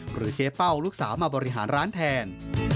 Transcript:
เจ๊เป้าลูกสาวมาบริหารร้านแทน